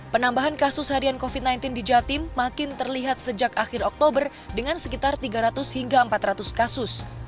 penambahan kasus harian covid sembilan belas di jatim makin terlihat sejak akhir oktober dengan sekitar tiga ratus hingga empat ratus kasus